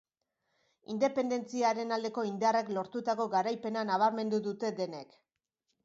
Independentziaren aldeko indarrek lortutako garaipena nabarmendu dute denek.